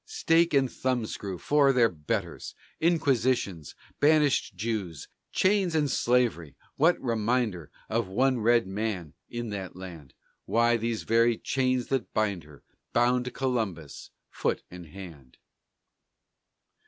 Stake and thumbscrew for their betters! Inquisitions! Banished Jews! Chains and slavery! What reminder Of one red man in that land? Why, these very chains that bind her Bound Columbus, foot and hand!